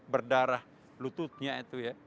berdarah lututnya itu ya